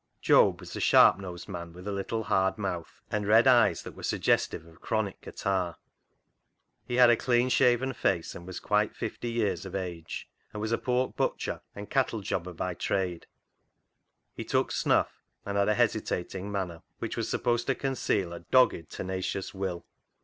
Job was a sharp nosed man with a hard little mouth and red eyes that were suggestive of chronic catarrh. He had a clean shaven face, was quite fifty years of age, and was a pork butcher and cattle jobber by trade. He took snuff, and had a hesitating manner, which was supposed to conceal a dogged, tenacious will.